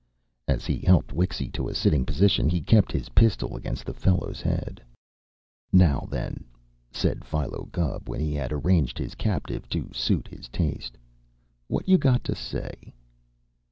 As he helped Wixy to a sitting position, he kept his pistol against the fellow's head. "Now, then," said Philo Gubb, when he had arranged his captive to suit his taste, "what you got to say?"